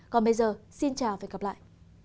còn bây giờ xin chào và hẹn gặp lại